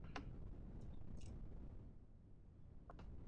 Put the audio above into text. El yacimiento recibe su nombre de la finca agrícola en la que se ubica.